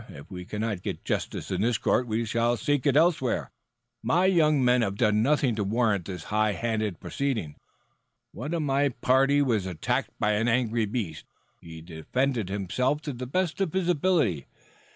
If we cannot get justice in this court we shall seek it elsewhere. My young men have done nothing to warrant this high handed proceeding. One of my party was attacked by an angry beast. He defended himself to the best of his ability.